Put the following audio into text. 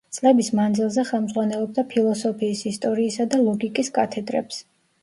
წლების მანძილზე ხელმძღვანელობდა ფილოსოფიის ისტორიისა და ლოგიკის კათედრებს.